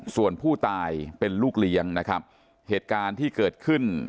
ส่วนผู้ตายเป็นลูกเลี้ยงนะครับเหตุการณ์ที่เกิดขึ้น